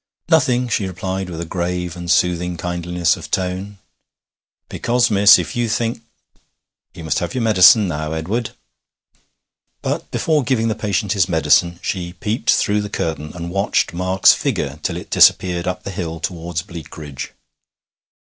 'Nothing,' she replied with a grave and soothing kindliness of tone. 'Because, miss, if you think ' 'You must have your medicine now, Edward.' But before giving the patient his medicine she peeped through the curtain and watched Mark's figure till it disappeared up the hill towards Bleakridge.